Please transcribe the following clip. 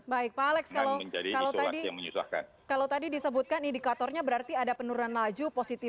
baik pak alex kalau tadi disebutkan indikatornya berarti ada penurunan laju positif